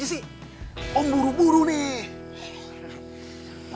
yang ceritanya sebelumnya